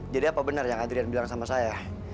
jadi apa bener yang adrian bilang sama saya